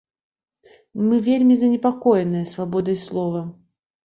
Мы вельмі занепакоеныя свабодай слова.